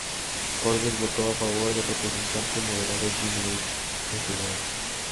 Forbes votó a favor del representante moderado Jim Leach en su lugar.